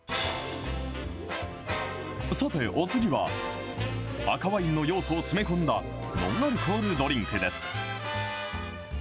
さて、お次は赤ワインの要素を詰め込んだノンアルコールドリンクです。